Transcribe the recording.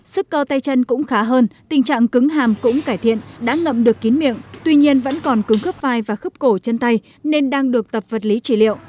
sức cơ tay chân cũng khá hơn tình trạng cứng hàm cũng cải thiện đã ngậm được kín miệng tuy nhiên vẫn còn cứng khớp vai và khớp cổ chân tay nên đang được tập vật lý trị liệu